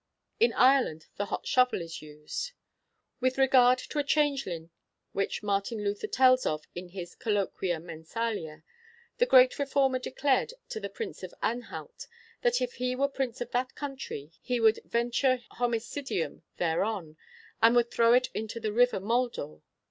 In Ireland the hot shovel is used. With regard to a changeling which Martin Luther tells of in his 'Colloquia Mensalia,' the great reformer declared to the Prince of Anhalt, that if he were prince of that country he would 'venture homicidium thereon, and would throw it into the River Moldaw.'